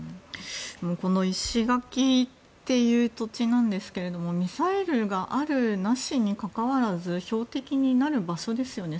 この石垣という土地なんですけれどもミサイルがある、なしに関わらず標的になる場所ですよね